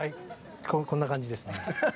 こんな感じですね。